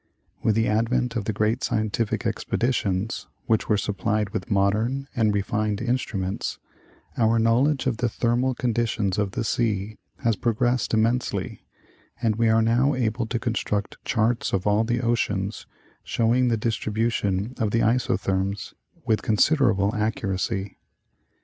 With the advent of the great scientific expeditions, which were supplied with modern and refined instruments, our knowledge of the thermal conditions of the sea has progressed immensely, and we are now able to construct charts of all the oceans, show ing the distribution of the isotherms with considerable accuracy.